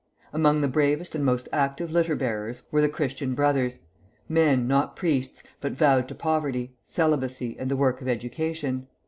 Among the bravest and most active litter bearers were the Christian Brothers, men not priests, but vowed to poverty, celibacy, and the work of education.